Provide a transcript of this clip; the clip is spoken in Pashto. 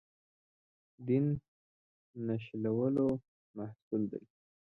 دین نښلولو محصول دی.